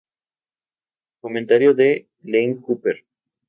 Comentario de Lane Cooper.